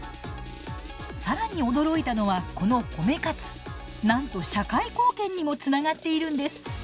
更に驚いたのはこの褒め活なんと社会貢献にもつながっているんです。